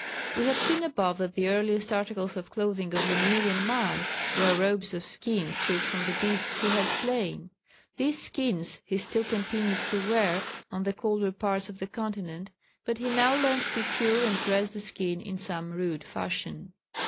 We have seen above that the earliest articles of clothing of Lemurian man were robes of skin stripped from the beasts he had slain. These skins he still continued to wear on the colder parts of the continent, but he now learnt to cure and dress the skin in some rude fashion.